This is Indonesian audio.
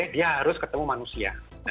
dia harus ketemu manusia